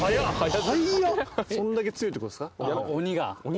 そんだけ強いってことですか？